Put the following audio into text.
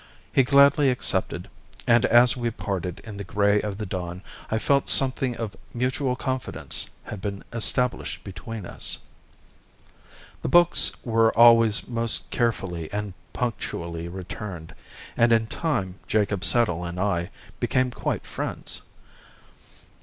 He gladly accepted, and as we parted in the grey of the dawn I felt that something of mutual confidence had been established between us. The books were always most carefully and punctually returned, and in time Jacob Settle and I became quite friends.